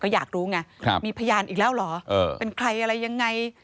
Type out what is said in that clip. อยากรู้ไงมีพยานอีกแล้วเหรอเป็นใครอะไรยังไง